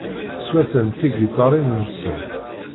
Swatan tigiṭarin-nsen.